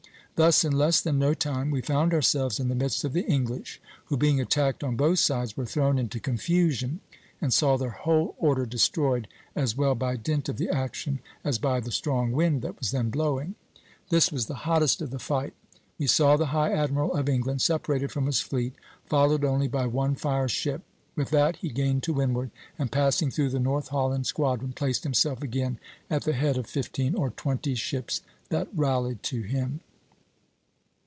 "Thus in less than no time we found ourselves in the midst of the English; who, being attacked on both sides, were thrown into confusion and saw their whole order destroyed, as well by dint of the action, as by the strong wind that was then blowing. This was the hottest of the fight [Fig. 3]. We saw the high admiral of England separated from his fleet, followed only by one fire ship. With that he gained to windward, and passing through the North Holland squadron, placed himself again at the head of fifteen or twenty ships that rallied to him."